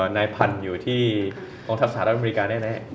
นายพันธุ์อยู่ที่กองทัพสหรัฐอเมริกาแน่